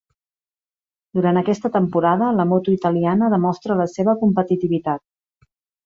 Durant aquesta temporada la moto italiana demostra la seva competitivitat.